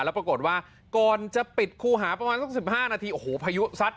แล้วปรากฏว่าก่อนจะปิดคูหาประมาณสัก๑๕นาทีโอ้โหพายุซัด